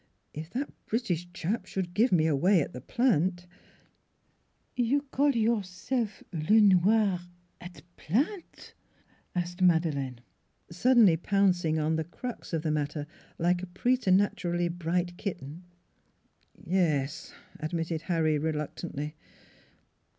... If that British chap should give me away at the Plant " "You call yourself Le Noir at Plant?" asked Madeleine, suddenly pouncing upon the crux of the matter, like a preternaturally bright kitten. " Y yes," admitted Harry reluctantly.